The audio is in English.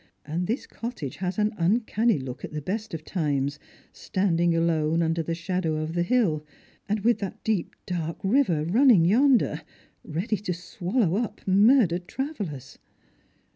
And this cottage has an uncanny look at the best of times, standing alone, under the shadow of the hill, and with that deep dark river running yonder, ready to swallow up murdered travellers."